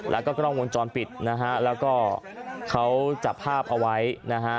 แล้วก็กล้องวงจรปิดนะฮะแล้วก็เขาจับภาพเอาไว้นะฮะ